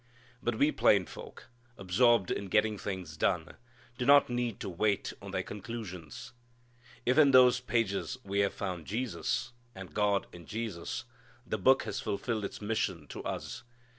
But we plain folk, absorbed in getting things done, do not need to wait on their conclusions. If in those pages we have found Jesus, and God in Jesus, the Book has fulfilled its mission to us.